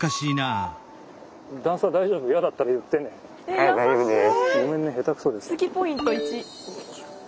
はい大丈夫です。